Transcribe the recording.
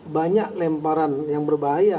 banyak lemparan yang berbahaya